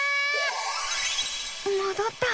もどった。